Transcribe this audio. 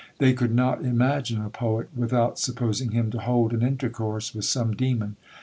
They could not imagine a poet, without supposing him to hold an intercourse with some demon.